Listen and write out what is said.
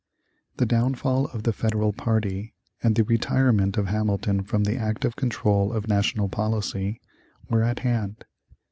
The downfall of the Federal party and the retirement of Hamilton from the active control of national policy were at hand.